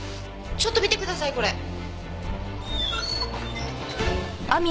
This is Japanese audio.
ちょっと見てくださいこれ。